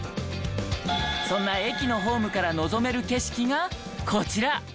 そんな駅のホームから望める景色がこちら。